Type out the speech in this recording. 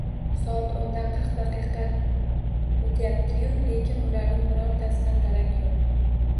Soat o`ndan qirq daqiqa o`tyapti-yu, lekin ularning birortasidan darak yo`q